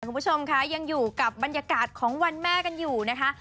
คุณผู้ชมคะยังอยู่กับบรรยากาศของวันแม่กันอยู่นะคะ